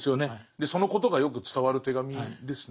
でそのことがよく伝わる手紙ですね。